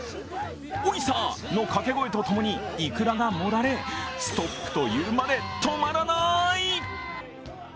「おいさー」のかけ声とともにイクラが盛られ「ストップ」と言うまで止まらない！